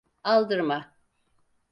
Aldırma.